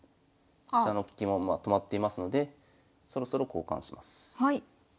飛車の利きも止まっていますのでそろそろ交換します。